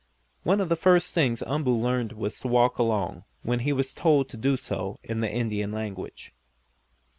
One of the first things Umboo learned was to walk along, when he was told to do so in the Indian language.